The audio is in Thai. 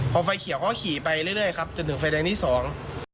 พอไฟเขียวเขาก็ขี่ไปเรื่อยเรื่อยครับจนถึงไฟแดงที่สอง